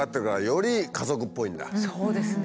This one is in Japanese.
そうですね。